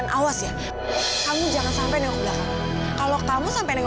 dan awas ya kamu jangan sampai nengok belakang kalau kamu sampai